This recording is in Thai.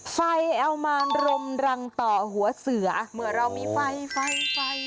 เอามารมรังต่อหัวเสือเมื่อเรามีไฟไฟ